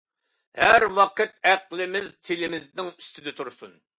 ھەر ۋاقىت ئەقلىمىز تىلىمىزنىڭ ئۈستىدە تۇرسۇن.